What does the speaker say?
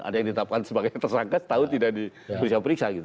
ada yang ditetapkan sebagai tersangka setahun tidak bisa periksa gitu